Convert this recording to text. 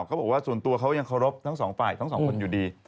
เขาบอกว่าส่วนตัวเขายังเคารพทั้งสองฝ่ายทั้งสองคนอยู่ดี